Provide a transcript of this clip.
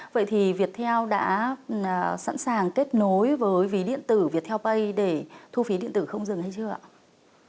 vậy thì viettel đã sẵn sàng kết nối với ví điện tử viettel pay để thu phí điện tử không dừng hay chưa ạ